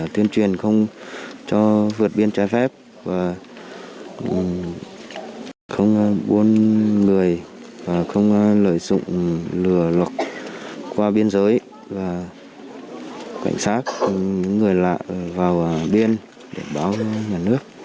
tuyên truyền không cho vượt biên trái phép và không buôn người không lợi dụng lừa qua biên giới và cảnh sát những người lạ vào biên để báo với nhà nước